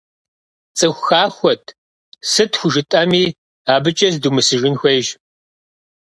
ЦӀыху хахуэт, сыт хужытӀэми, абыкӀэ зыдумысыжын хуейщ.